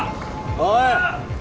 おい！